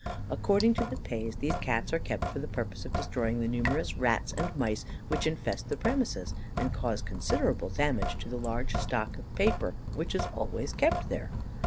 According to the Pays, these Cats are kept for the purpose of destroying the numerous rats and mice which infest the premises, and cause considerable damage to the large stock of paper which is always kept there.